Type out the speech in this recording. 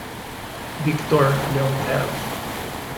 Viktor Leont'ev